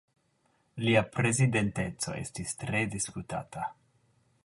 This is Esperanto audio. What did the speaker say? Lia prezidenteco estis tre diskutata.